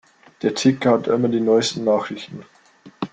Der Ticker hat immer die neusten Nachrichten.